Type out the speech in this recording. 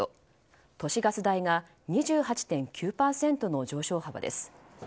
都市ガス代が２８．９％の上昇幅です。